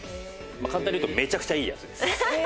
簡単に言うとめちゃくちゃいいやつです。